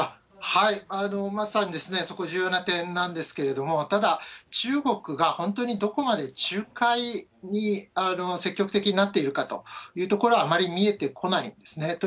まさにそこ、重要な点なんですけれども、ただ、中国が本当にどこまで仲介に積極的になっているかというところは、あまり見えてこないですね。